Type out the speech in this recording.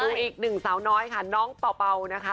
อีกหนึ่งสาวน้อยค่ะน้องเป่านะคะ